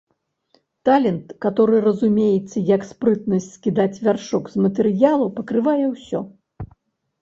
Талент, каторы разумеецца як спрытнасць скідаць вяршок з матэрыялу, пакрывае ўсё.